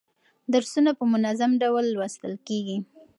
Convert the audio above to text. درسونه په منظم ډول لوستل کیږي.